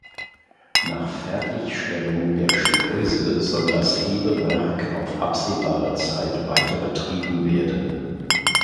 Nach Fertigstellung der Schleuse soll das Hebewerk auf absehbare Zeit weiter betrieben werden.